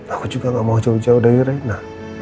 aku juga gak mau jauh jauh dari reina